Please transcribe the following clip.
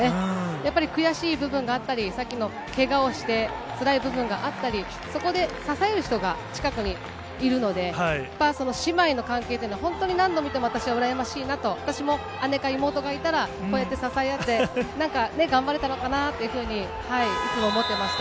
やっぱり悔しい部分があったり、さっきのけがをしてつらい部分があったり、そこで支える人が近くにいるので、やっぱりその姉妹の関係というのは、本当に何度見ても、私は羨ましいなと、私も姉か妹がいたら、こうやって支え合って、なんかね、頑張れたのかなというふうに、いつも思ってました。